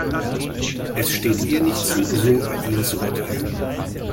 Es steht ihr nicht zu, so über ihn zu urteilen.